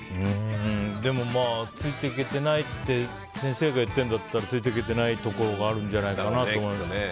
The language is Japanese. ついていけてないって先生が言ってるんだったらついていけてないところがあるんだと思います。